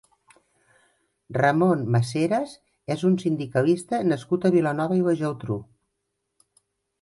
Ramon Maseras és un sindicalista nascut a Vilanova i la Geltrú.